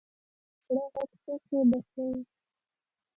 ناګهانه له زړه غږ شو چې بچیه!